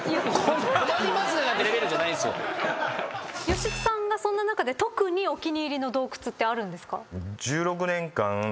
吉田さんがそんな中で特にお気に入りの洞窟ってあるんですか？